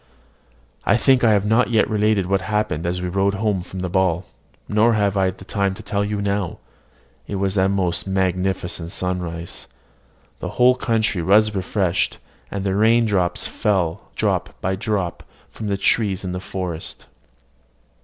I think I have not yet related what happened as we rode home from the ball, nor have I time to tell you now. It was a most magnificent sunrise: the whole country was refreshed, and the rain fell drop by drop from the trees in the forest.